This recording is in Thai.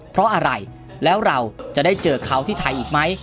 เพราะอะไรแล้วเราจะได้เจอเขาที่ไทยอีกไหม